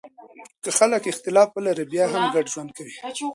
که خلګ اختلاف ولري بیا هم ګډ ژوند کوي.